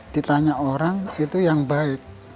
ditanya orang itu yang baik